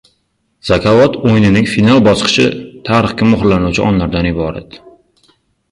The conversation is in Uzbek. Zakovat o‘yinining final bosqichi tarixga muhrlanuvchi onlardan iborat